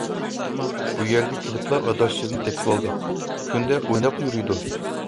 بۇ يەرگە كېلىپلا ئاداشلىرىنى تېپىۋالدى، كۈندە ئويناپلا يۈرىدۇ.